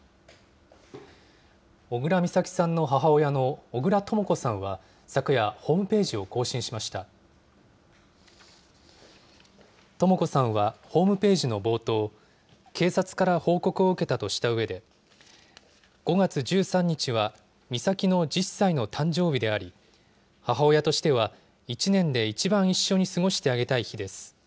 小倉美咲さんの母親の小倉とも子さんは昨夜、ホームページをとも子さんはホームページの冒頭、警察から報告を受けたとしたうえで、５月１３日は美咲の１０歳の誕生日であり、母親としては１年で一番一緒に過ごしてあげたい日です。